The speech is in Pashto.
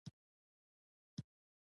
لوبې میدان ورننوتو لاره ده.